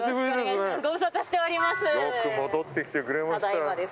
よく戻ってきてくれました。